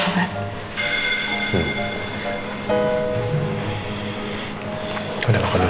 udah makan dulu ya